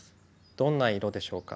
どんな色でしょうか？